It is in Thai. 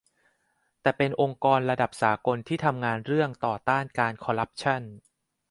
แต่เป็นองค์กรระดับสากลที่ทำงานเรื่องต่อต้านการคอร์รัปชั่น